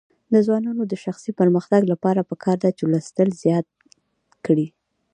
د ځوانانو د شخصي پرمختګ لپاره پکار ده چې لوستل زیات کړي.